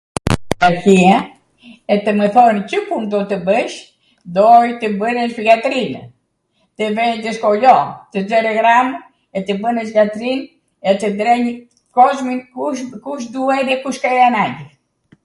atija... e tw mw thonw Cw pun do tw bwsh. Doj tw bwnesha jatrinw, tw vej ndw skolo, tw nxwrje ghramw e tw bwnesh jatrinw, e tw ndrenjw kozmin kush duaj dhe kush kej anangjw